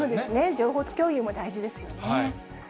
情報共有も大事ですよね。